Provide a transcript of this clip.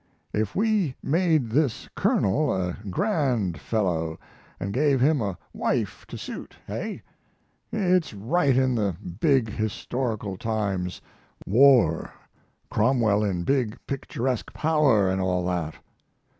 If we made this colonel a grand fellow, and gave him a wife to suit hey? It's right in the big historical times war; Cromwell in big, picturesque power, and all that.